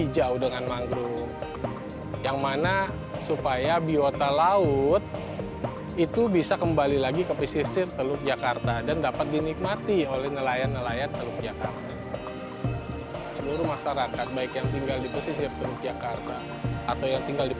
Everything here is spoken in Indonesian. jangan lupa ujian pertahankan awal mulut belle smoked